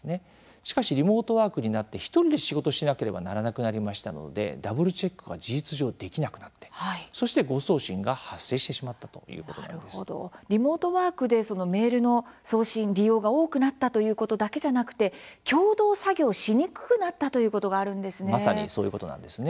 しかし、リモートワークになって１人で仕事しなければならなくなりましたのでダブルチェックが事実上できなくなってそして、誤送信が発生してリモートワークでメールの送信、利用が多くなったということだけじゃなくて共同作業しにくくなったということがあるんですね。